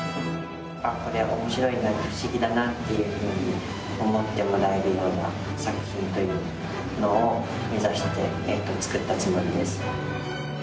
あっこれ面白いな不思議だなっていうふうに思ってもらえるような作品というのを目指して作ったつもりです。